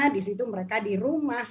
di situ mereka di rumah